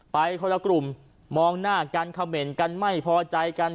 คนละกลุ่มมองหน้ากันเขม่นกันไม่พอใจกัน